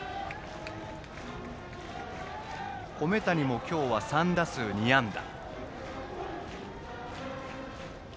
米谷も今日は３打数２安打。